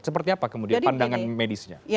seperti apa kemudian pandangan medisnya